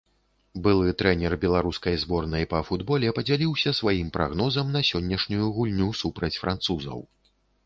Былы трэнер беларускай зборнай па футболе падзяліўся сваім прагнозам на сённяшнюю гульню супраць французаў.